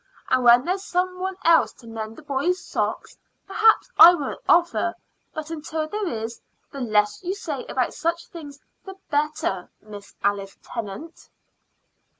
And when there's some one else to mend the boys' socks, perhaps I won't offer; but until there is, the less you say about such things the better, Miss Alice Tennant."